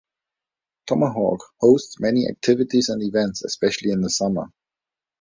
Tomahawk hosts many activities and events, especially in the summer.